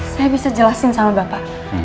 saya bisa jelasin sama bapak